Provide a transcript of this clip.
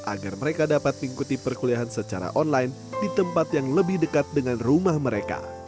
agar mereka dapat mengikuti perkuliahan secara online di tempat yang lebih dekat dengan rumah mereka